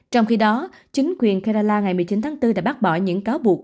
trong khi đó chính quyền karala ngày một mươi chín tháng bốn đã bác bỏ những cáo buộc